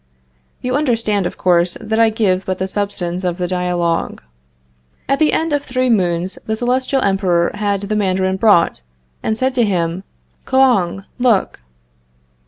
You understand, of course, that I give but the substance of the dialogue. At the end of three moons the Celestial Emperor had the Mandarin brought, and said to him: "Kouang, look."